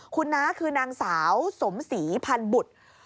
คุณน้าคือนางสาวสมศรีพันบุตร